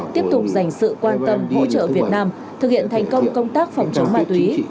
tiếp tục dành sự quan tâm hỗ trợ việt nam thực hiện thành công công tác phòng chống ma túy